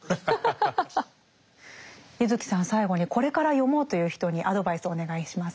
柚木さん最後にこれから読もうという人にアドバイスをお願いします。